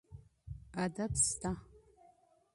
ادب سته.